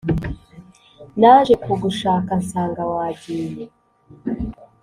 naje kugushaka nsanga wagiye